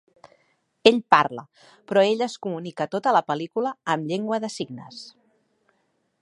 Ell parla, però ella es comunica tota la pel·lícula amb llengua de signes.